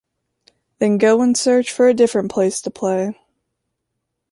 Then go and search for a different place to play.